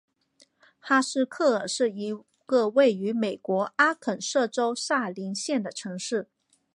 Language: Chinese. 哈斯克尔是一个位于美国阿肯色州萨林县的城市。